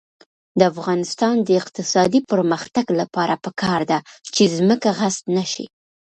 د افغانستان د اقتصادي پرمختګ لپاره پکار ده چې ځمکه غصب نشي.